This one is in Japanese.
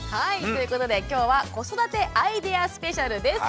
ということで今日は「子育てアイデアスペシャル」です。